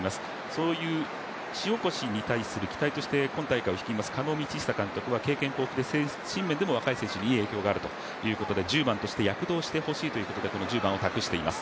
そういう塩越に対する期待として今回の狩野倫久監督は経験豊富で精神面でも若い選手にいい影響があるということで１０番として躍動してほしいということで、１０番を託しています。